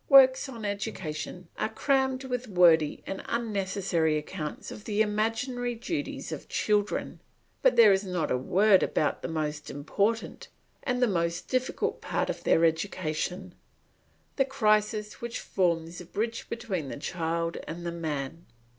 Works on education are crammed with wordy and unnecessary accounts of the imaginary duties of children; but there is not a word about the most important and most difficult part of their education, the crisis which forms the bridge between the child and the man.